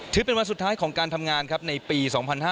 ถือเป็นวันสุดท้ายการทำงานในปี๒๕๖๒